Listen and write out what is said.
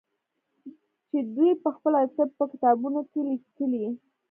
چې دوى پخپله د طب په کتابونو کښې ليکلي.